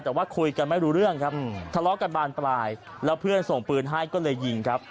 แต่ว่าคุยกันไม่รู้เรื่องครับทะเลาะกันบานปลายแล้วเพื่อนส่งปืนให้ก็เลยยิงครับ